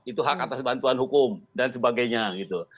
itu hak atas bantuan hukum dan sebagainya gitu